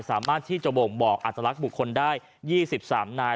สามารถที่จะบ่งบอกอัตลักษณ์บุคคลได้๒๓นาย